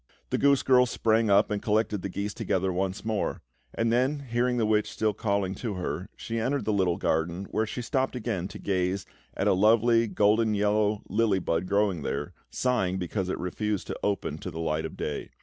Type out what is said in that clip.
The goose girl sprang up and collected the geese together once more; and then, hearing the witch still calling to her, she entered the little garden, where she stopped again to gaze at a lovely golden yellow lily bud growing there, sighing because it refused to open to the light of day.